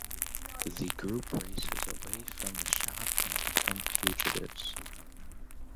The group races away from the shop and become fugitives.